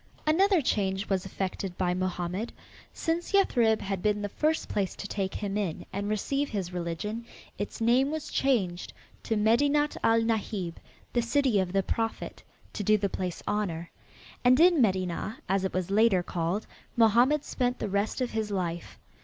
Another change was effected by Mohammed. Since Yathrib had been the first place to take him in and receive his religion, its name was changed to Medinat al Nahib, the city of the prophet, to do the place honor. And in Medinah, as it was later called, Mohammed spent the rest of his life.